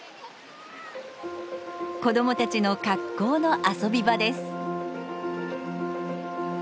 子どもたちの格好の遊び場です。